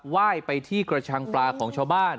ว่ายไปที่กระชังปลาของชาวบ้าน